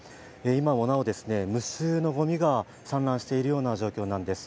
今もなお、無数のごみが散乱しているような状況なんです。